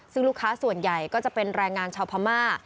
ซึ่งลูกค้าส่วนใหญ่ก็จะเป็นแรงงานชาวพม่า